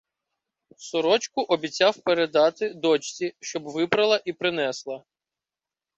Сорочку обіцяв передати дочці, щоб випрала і принесла.